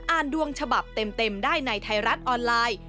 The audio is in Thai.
อ่านดวงฉบับเต็มได้ในไทยรัฐออนไลน์